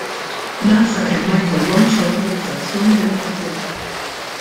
Dan sakemm ma jkollhomx awtorizzazzjoni bil-miktub.